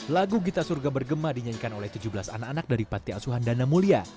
lagu gita surga bergema dinyanyikan oleh tujuh belas anak anak dari panti asuhan dana mulia